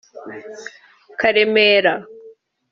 Karemera